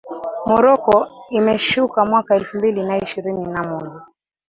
Morocco imeshuka mwaka elfu mbili na ishirini na moja